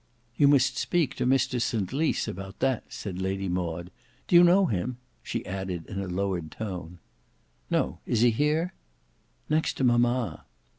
"You must speak to Mr St Lys about that," said Lady Maud. "Do you know him?" she added in a lowered tone. "No; is he here?" "Next to mamma."